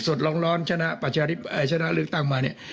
สดร้อนชนะชนะลึกตั้งมานี่